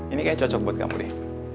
ini kayaknya cocok buat kamu nih